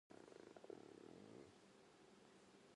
ニュートンと林檎の木